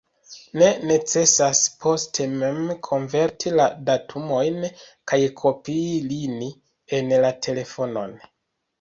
Ne necesas poste mem konverti la datumojn kaj kopii ilin en la telefonon.